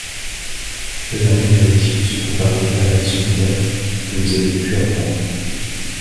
L’ère numérique peut se comparer à l’ère secondaire que vous avez pu apprendre.